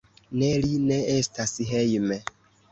Ne, li ne estas hejme.